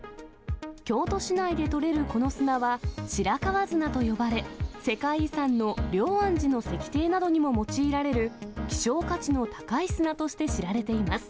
京都市内で取れるこの砂は白川砂と呼ばれ、世界遺産の龍安寺の石庭などにも用いられる、希少価値の高い砂として知られています。